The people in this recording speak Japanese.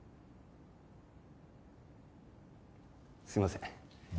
すいません何